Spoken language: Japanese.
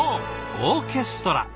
オーケストラ。